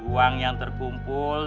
uang yang terkumpul